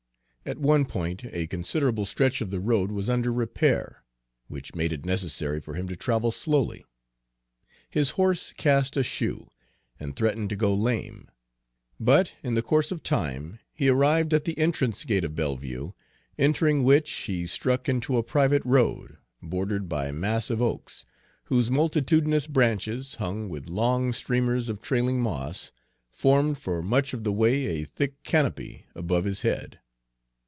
At one point a considerable stretch of the road was under repair, which made it necessary for him to travel slowly. His horse cast a shoe, and threatened to go lame; but in the course of time he arrived at the entrance gate of Belleview, entering which he struck into a private road, bordered by massive oaks, whose multitudinous branches, hung with long streamers of trailing moss, formed for much of the way a thick canopy above his head.